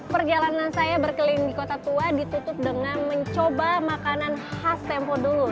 perjalanan saya berkeliling di kota tua ditutup dengan mencoba makanan khas tempo dulu